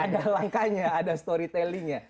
ada langkahnya ada storytellingnya